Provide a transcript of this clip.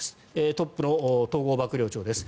トップの統合幕僚長です。